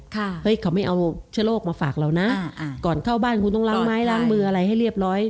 เฮ้ยเขาไม่เอาเชื้อโรคมาฝากเรานะอ่าก่อนเข้าบ้านคุณต้องล้างไม้ล้างมืออะไรให้เรียบร้อย